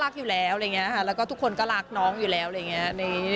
จริงไม่รู้จะฝากอะไร